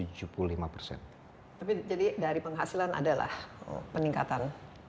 jadi dari penghasilan ada lah peningkatan